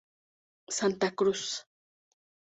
Santa Cruz.